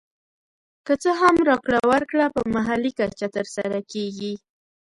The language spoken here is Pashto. که څه هم راکړه ورکړه په محلي کچه تر سره کېږي